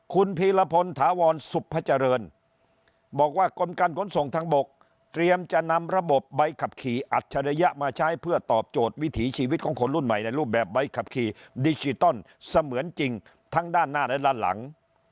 คุณพีรพลถาวรสุพเจริญบอกว่ากรมการขนส่งทางบกเตรียมจะนำระบบใบขับขี่อัจฉริยะมาใช้เพื่อตอบโจทย์วิถีชีวิตของคนรุ่นใหม่ในรูปแบบใบขับขี่ดิจิตอลเสมือนจริงทั้งด้านหน้าและด้านหลัง